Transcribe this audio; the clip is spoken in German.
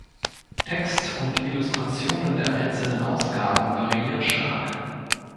Text und Illustrationen der einzelnen Ausgaben variieren stark.